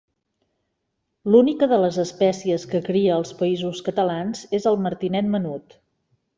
L'única de les espècies que cria als Països Catalans és el martinet menut.